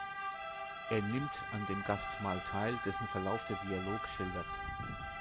Er nimmt an dem Gastmahl teil, dessen Verlauf der Dialog schildert.